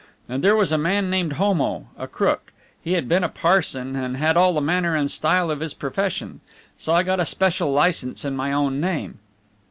And there was a man named Homo, a crook. He had been a parson and had all the manner and style of his profession. So I got a special licence in my own name."